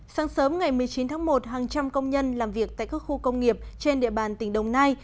sáng sớm ngày một mươi chín tháng một hàng trăm công nhân làm việc tại các khu công nghiệp trên địa bàn tỉnh đồng nai